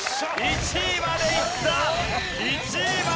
１位までいった！